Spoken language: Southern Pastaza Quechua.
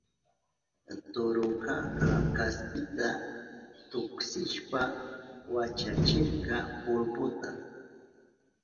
Turunkaka kaspita tuksishpa wichachirka pulbuta.